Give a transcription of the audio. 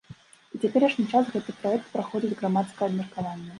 У цяперашні час гэты праект праходзіць грамадскае абмеркаванне.